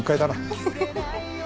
フフフフ。